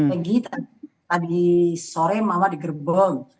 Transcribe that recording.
pegi tadi sore mama digerbong